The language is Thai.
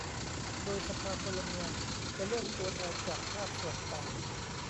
โดยสภาพลเมืองจะเลือกตัวแทนจากภาคส่วนต่าง